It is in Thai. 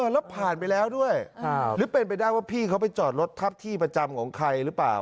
แล้วผ่านไปแล้วด้วยหรือเป็นไปได้ว่าพี่เขาไปจอดรถทับที่ประจำของใครหรือเปล่า